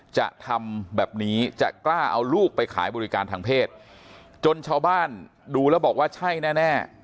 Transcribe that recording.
จะทำแบบนี้จะกล้าเอาลูกไปขายบริการทางเพศจนชาวบ้านดูแล้วบอกว่าใช่แน่